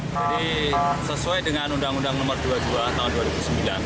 jadi sesuai dengan undang undang nomor dua puluh dua tahun dua ribu sembilan